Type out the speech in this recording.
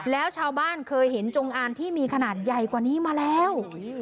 แล้วชาวบ้านเคยเห็นจงอางที่มีขนาดใหญ่กว่านี้มาแล้ว